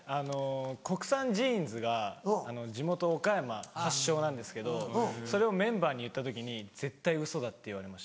国産ジーンズが地元岡山発祥なんですけどそれをメンバーに言った時に「絶対ウソだ」って言われました。